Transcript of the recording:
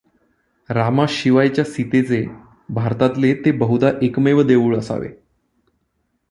रामाशिवायच्या सीतेचे भारतातले ते बहुधा एकमेव देऊळ असावे.